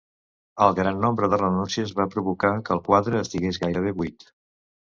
El gran nombre de renúncies va provocar que el quadre estigués gairebé buit.